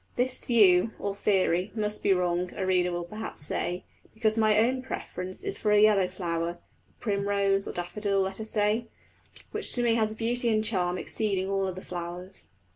This view, or theory, must be wrong, a reader will perhaps say, because my own preference is for a yellow flower (the primrose or daffodil, let us say), which to me has a beauty and charm exceeding all other flowers.